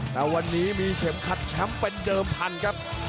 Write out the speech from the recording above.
แล้ววันนี้มีเขมขัดเช้้มเป็นเดิมพันครับ